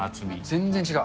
全然違う。